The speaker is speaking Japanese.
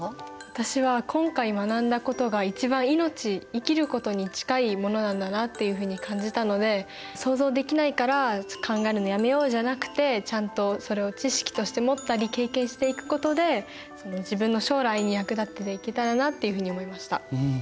私は今回学んだことが一番命生きることに近いものなんだなっていうふうに感じたので想像できないから考えるのやめようじゃなくてちゃんとそれを知識として持ったり経験していくことで自分の将来に役立てていけたらなっていうふうに思いました。